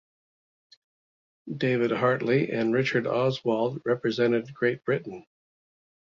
David Hartley and Richard Oswald represented Great Britain.